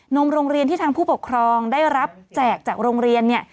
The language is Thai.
มโรงเรียนที่ทางผู้ปกครองได้รับแจกจากโรงเรียนเนี่ย